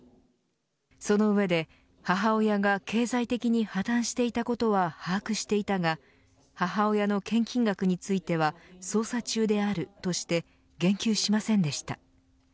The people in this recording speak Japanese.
その上で母親が経済的に破綻していたことは把握していたが母親の献金額については捜査中であるとして言及しませんでした。